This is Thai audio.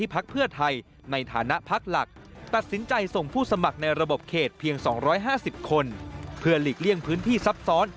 เพื่อหลีกเลี่ยงพื้นที่ซับซ้อน